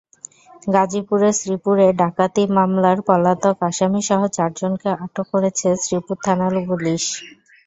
গাজীপুরের শ্রীপুরে ডাকাতি মামলার পলাতক আসামিসহ চারজনকে আটক করেছে শ্রীপুর থানার পুলিশ।